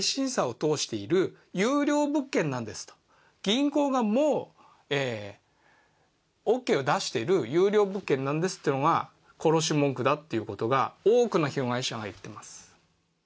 銀行がもうオッケーを出している優良物件なんですというのが殺し文句だということを多くの被害者が言っています。